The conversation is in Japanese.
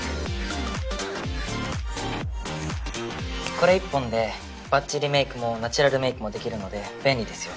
これ１本でバッチリメイクもナチュラルメイクもできるので便利ですよ。